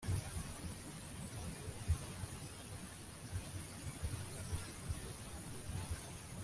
ni ukuvuga ko gahunda mba nihaye ku munsi nizo zonyine nkora ntayo nkuyemo nta n’iyo nongeyemo